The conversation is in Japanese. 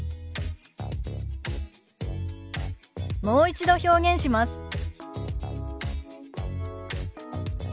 もう一度表現します。